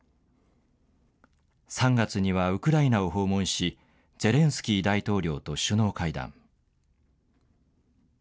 ３月にはウクライナを訪問しゼレンスキー大統領と首脳会談。